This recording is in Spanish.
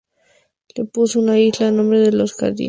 Le puso a la isla el nombre de "Los Jardines".